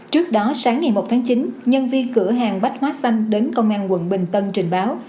trước đó sáng ngày một tháng chín nhân viên cửa hàng bách hóa xanh đến công an quận bình tân trình báo